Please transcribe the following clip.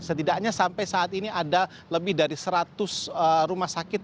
setidaknya sampai saat ini ada lebih dari seratus rumah sakit